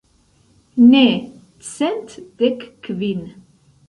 Ne, cent dek kvin.